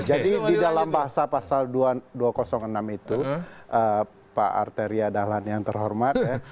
jadi di dalam bahasa pasal dua ratus enam itu pak arteria dahlan yang terhormat